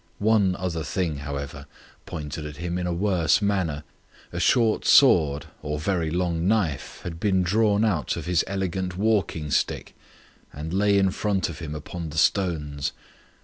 One other thing, however, pointed at him in a worse manner. A short sword, or very long knife, had been drawn out of his elegant walking stick, and lay in front of him upon the stones.